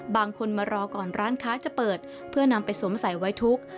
บางคนมารอก่อนร้านค้าจะเปิดเพื่อนำไปสวมใส่ไว้ทุกข์